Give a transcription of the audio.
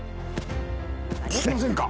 効きませんか？